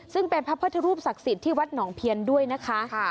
ซึ่งเป็นพระพุทธรูปศักดิ์สิทธิ์ที่วัดหนองเพียนด้วยนะคะ